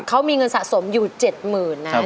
เขามีเงินสะสมอยู่๗๐๐๐นะ